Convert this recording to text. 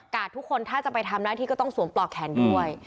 ทุกคนถ้าจะไปทำหน้าที่ก็ต้องสวมปลอกแขนด้วย